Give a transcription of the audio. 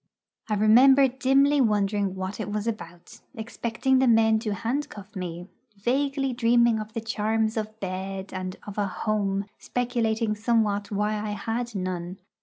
I remember dimly wondering what it was about, expecting the men to handcuff me, vaguely dreaming of the charms of bed and of a 'home,' speculating somewhat why I had none.